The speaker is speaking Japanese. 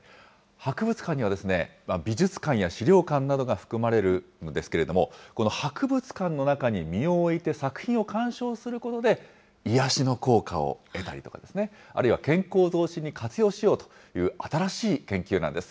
博物館には、美術館や資料館などが含まれるんですけれども、この博物館の中に身を置いて作品を鑑賞することで、癒やしの効果を得たりとかですね、あるいは健康増進に活用しようという新しい研究なんです。